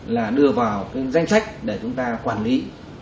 là đưa vào cái danh sách để chúng ta quản lý